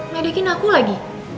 medekin aku lagi